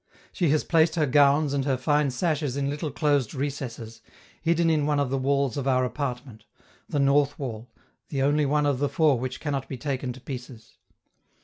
She has placed her gowns and her fine sashes in little closed recesses, hidden in one of the walls of our apartment (the north wall, the only one of the four which can not be taken to pieces).